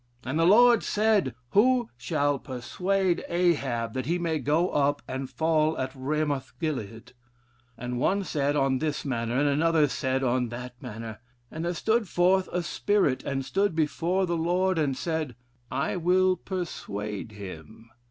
And the Lord said, who shall persuade Ahab that he may go up and fall at Ramoth Gilead? and one said on this manner, and another said on that manner. And there stood forth a spirit, and stood before the Lord, and said: I will persuade him.